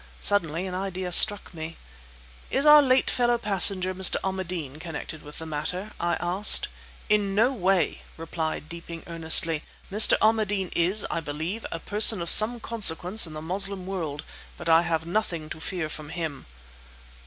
Suddenly an idea struck me. "Is our late fellow passenger, Mr. Ahmadeen, connected with the matter?" I asked. "In no way," replied Deeping earnestly. "Mr. Ahmadeen is, I believe, a person of some consequence in the Moslem world; but I have nothing to fear from him."